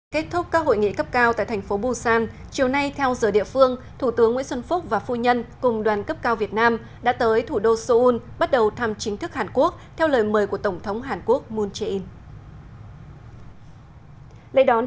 kết thúc các hội nghị cấp cao tại thành phố busan chiều nay theo giờ địa phương thủ tướng nguyễn xuân phúc và phu nhân cùng đoàn cấp cao việt nam đã tới thủ đô seoul bắt đầu thăm chính thức hàn quốc theo lời mời của tổng thống hàn quốc moon jae in